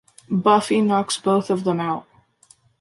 Buffy knocks both of them out.